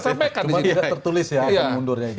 cuma tidak tertulis ya apa mundurnya